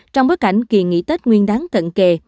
trong bối cảnh kỳ nghỉ tết nguyên đáng cận kề